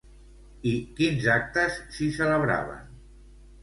I quins actes s'hi celebraven?